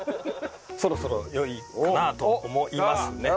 そろそろ良いかなと思いますね。